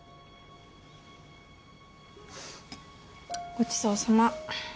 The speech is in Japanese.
ごちそうさま。